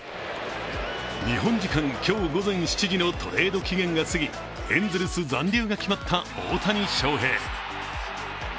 日本時間今日午前７時のトレード期限がすぎ、エンゼルス残留が決まった大谷翔平。